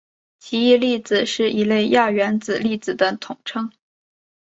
奇异粒子是一类亚原子粒子的统称。